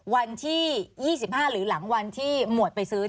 วันที่๒๕หรือหลังวันที่หมวดไปซื้อ